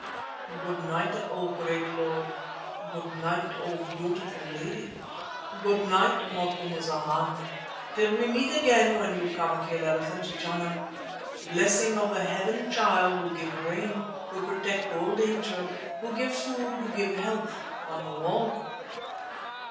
Good night, O great Lord. Good night, O beautiful lady. Good night, O Macumazana, till we meet again when you come kill elephant Jana. Blessing of the Heaven Child, who give rain, who protect all danger, who give food, who give health, on you all."